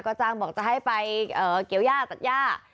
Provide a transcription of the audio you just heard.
จ้างบอกจะให้ไปเกี่ยวย่าตัดย่า